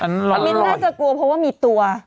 ลดล่อยมิ๊นท์น่าจะกลัวเพราะว่ามีตัว